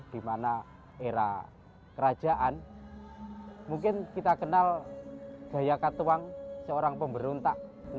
dimana era kerajaan mungkin kita kenal jaya katuang seorang pemberontak